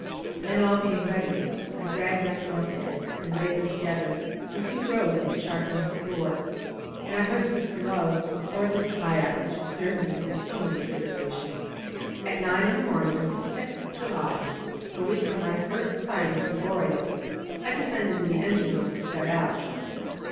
Then, all being ready, I dragged my twelve dead and laid them together in two rows on the chart room floor; and I hoisted for love the poor little kayak which had served me through so many tribulations. At nine in the morning of the 6th July, a week from my first sighting of the Boreal, I descended to the engine room to set out.